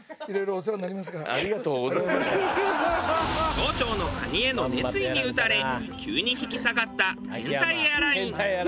町長の蟹への熱意に打たれ急に引き下がった変態エアライン。